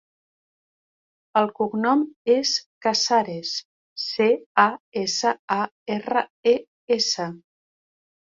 El cognom és Casares: ce, a, essa, a, erra, e, essa.